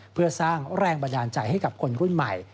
เพื่อสร้างแรงบันดาลใจให้กับคนรุ่นใหม่